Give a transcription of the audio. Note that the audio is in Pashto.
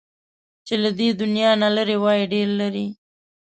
چې له دې دنيا نه لرې وای، ډېر لرې